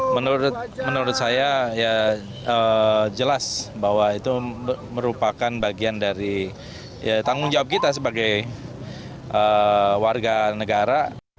menurut saya jelas bahwa itu merupakan bagian dari tanggung jawab kita sebagai warga negara